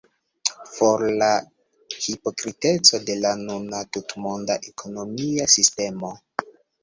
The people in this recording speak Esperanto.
For la hipokriteco de la nuna tutmonda ekonomia sistemo!